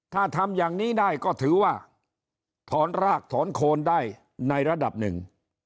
ถ้าทำอย่างนี้ได้ก็ถือว่าถอนรากถอนโคนได้ในระดับหนึ่ง